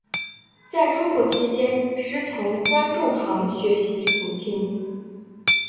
在中国期间师从关仲航学习古琴。